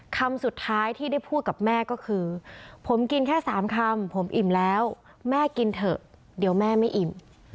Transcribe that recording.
คำสุดท้ายที่ได้พูดกับแม่ก็คือผมกินแค่๓คำผมอิ่มแล้วแม่กินเถอะเดี๋ยวแม่ไม่อิ่ม